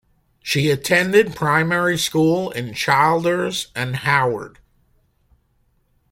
She attended primary school in Childers and Howard.